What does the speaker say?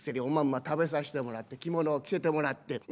おまんま食べさしてもらって着物を着せてもらって。